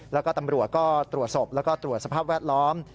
แล้วก็ตำรวจก็ตรวจศพแล้วก็ตรวจสภาพแวดล้อม